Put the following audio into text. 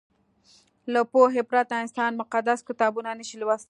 له پوهې پرته انسان مقدس کتابونه نه شي لوستلی.